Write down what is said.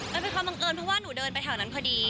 มันเป็นความบังเอิญเพราะว่าหนูเดินไปแถวนั้นพอดี